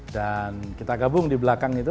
dan kita gabung di belakang itu